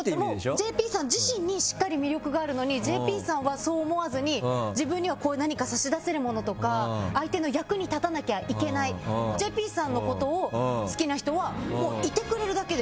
もうＪＰさん自身にしっかり魅力があるのにＪＰさんはそう思わずに自分には何か差し出せるものとか相手の役に立たなきゃいけないＪＰさんのことを好きな人はもう、いてくれるだけで。